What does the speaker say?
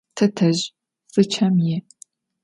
Tetezj zı çem yi'.